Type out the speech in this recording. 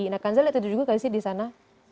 nah kanza lihat itu juga gak sih di sana